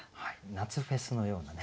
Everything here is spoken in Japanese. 夏フェスのようなね